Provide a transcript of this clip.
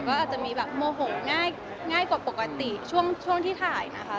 ก็อาจจะมีแบบโมโหง่ายกว่าปกติช่วงที่ถ่ายนะคะ